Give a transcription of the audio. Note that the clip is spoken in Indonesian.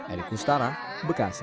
erik kustara bekasi